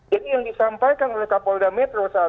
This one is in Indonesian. jadi yang disampaikan oleh kapolda metro